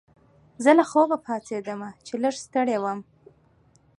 زه له خوبه پاڅیدم چې لږ ستړی وم.